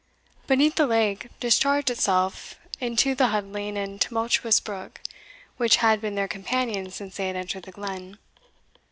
Beneath, the lake discharged itself into the huddling and tumultuous brook, which had been their companion since they had entered the glen.